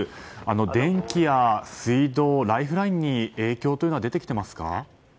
電気や水道、ライフラインに影響は出てきていますか。